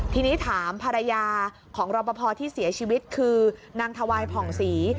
ทีนี้ถามภรรยาของรอปภที่เสียชีวิตคือนางถวายผ่องศรี